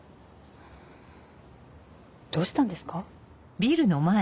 どうしたんですか？